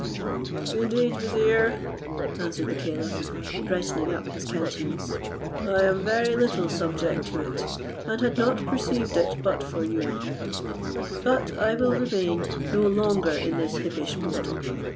"Indeed, vizier," answered the caliph, brightening up his countenance, "I am very little subject to it, and had not perceived it but for you, but I will remain no longer in this hippish mood.